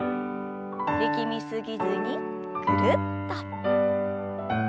力み過ぎずにぐるっと。